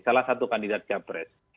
salah satu kandidat capres